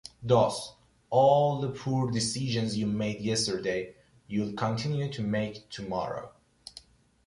Thus, all the poor decisions you made yesterday, you'll continue to make tomorrow.